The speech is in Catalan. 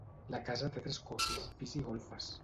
La casa té tres cossos, pis i golfes.